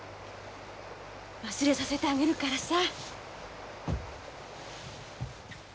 忘れさせてあげるからさ。